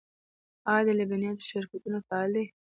آیا د لبنیاتو شرکتونه فعال دي؟